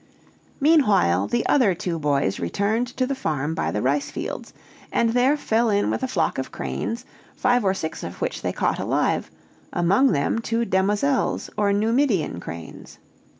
Meanwhile the other two boys returned to the farm by the rice fields, and there fell in with a flock of cranes, five or six of which they caught alive, among them two demoiselles or Numidian cranes.